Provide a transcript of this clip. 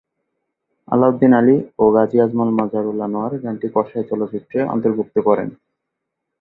আলাউদ্দিন আলী ও গাজী মাজহারুল আনোয়ার গানটি কসাই চলচ্চিত্রে অন্তর্ভুক্ত করেন।